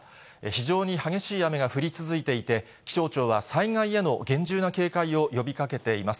非常に激しい雨が降り続いていて、気象庁は災害への厳重な警戒を呼びかけています。